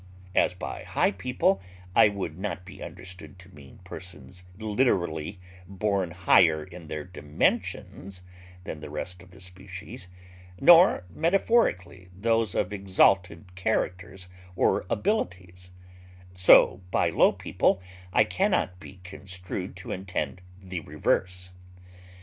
As by high people I would not be understood to mean persons literally born higher in their dimensions than the rest of the species, nor metaphorically those of exalted characters or abilities; so by low people I cannot be construed to intend the reverse.